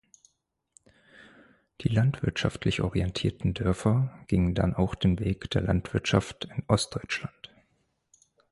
Die landwirtschaftlich orientierten Dörfer gingen dann auch den Weg der Landwirtschaft in Ostdeutschland.